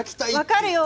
分かるよ。